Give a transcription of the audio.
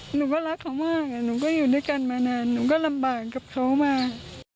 หนูก็รักเขามากหนูก็อยู่ด้วยกันมานานหนูก็ลำบากกับเขามาก